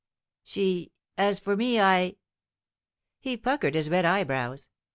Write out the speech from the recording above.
She as for me, I " He puckered his red eyebrows.